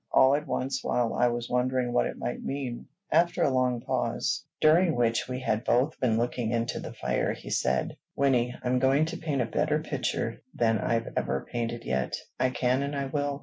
All at once, while I was wondering what it might mean, after a long pause, during which we had been both looking into the fire, he said, "Wynnie, I'm going to paint a better picture than I've ever painted yet. I can, and I will."